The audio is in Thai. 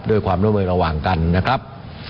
ด้วยความร่วมมือระหว่างกันนะครับ